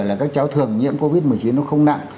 là các cháu thường nhiễm covid một mươi chín nó không nặng